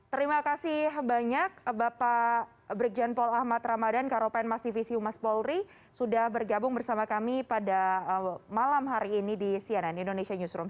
terima kasih banyak bapak brigjen paul ahmad ramadan karopen mas divisi umas polri sudah bergabung bersama kami pada malam hari ini di cnn indonesia newsroom